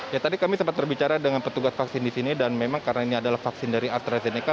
ya tadi kami sempat berbicara dengan petugas vaksin di sini dan memang karena ini adalah vaksin dari astrazeneca